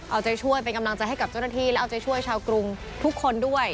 เอาใจช่วยเป็นกำลังใจให้กับเจ้าหน้าที่และเอาใจช่วยชาวกรุงทุกคนด้วย